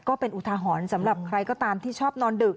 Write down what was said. อุทหรณ์สำหรับใครก็ตามที่ชอบนอนดึก